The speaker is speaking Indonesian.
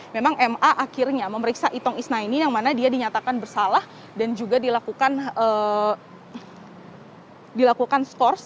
memang ma akhirnya memeriksa itong isnaini yang mana dia dinyatakan bersalah dan juga dilakukan skors